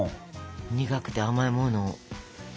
苦くて甘いもの。